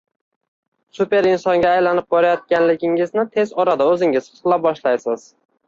super insonga aylanib borayotganligingizni tez orada o’zingiz his qila boshlaysiz